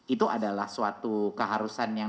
itu adalah suatu keharusan yang